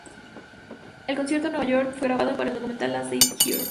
El concierto de Nueva York fue grabado para el documental Last Days Here.